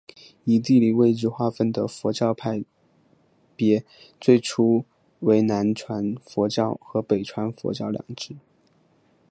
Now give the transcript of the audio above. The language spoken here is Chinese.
以地理位置划分的佛教派别最初为南传佛教和北传佛教两支。